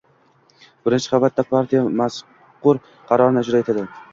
Birinchi qavatda partiya mazqur qarorni ijro etadi.